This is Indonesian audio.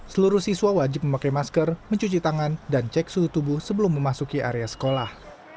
seluruh siswa wajib memakai masker mencuci tangan dan cek suhu tubuh sebelum memasuki area sekolah